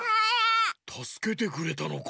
たすけてくれたのか。